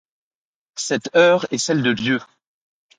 Cette heure est celle de Dieu.